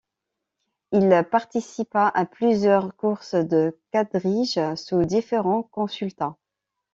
Il participa à plusieurs courses de quadriges sous différents consulats.